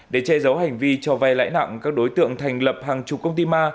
để che giấu hành vi cho vay lãi nặng các đối tượng thành lập hàng chục công ty ma